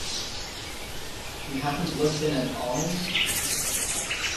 You haven't looked in at all?